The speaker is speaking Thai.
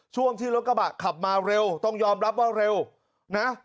ช่วงที่รถกระบะขับมาเร็วต้องยอมรับว่าเร็วนะ